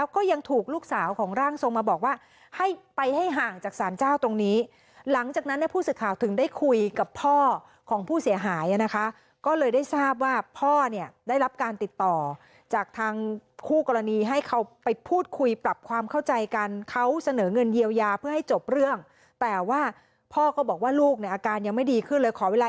ก็ยังถูกลูกสาวของร่างทรงมาบอกว่าให้ไปให้ห่างจากสารเจ้าตรงนี้หลังจากนั้นเนี่ยผู้สื่อข่าวถึงได้คุยกับพ่อของผู้เสียหายนะคะก็เลยได้ทราบว่าพ่อเนี่ยได้รับการติดต่อจากทางคู่กรณีให้เขาไปพูดคุยปรับความเข้าใจกันเขาเสนอเงินเยียวยาเพื่อให้จบเรื่องแต่ว่าพ่อก็บอกว่าลูกเนี่ยอาการยังไม่ดีขึ้นเลยขอเวลา